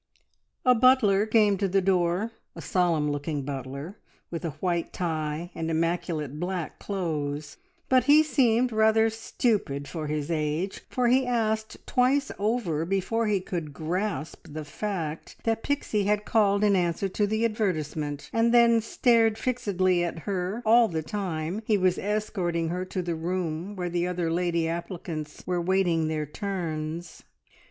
A butler came to the door, a solemn looking butler, with a white tie and immaculate black clothes, but he seemed rather stupid for his age, for he asked twice over before he could grasp the fact that Pixie had called in answer to the advertisement, and then stared fixedly at her all the time he was escorting her to the room where the other lady applicants were waiting their turns.